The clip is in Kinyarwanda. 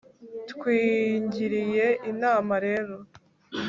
twigiriye inama rero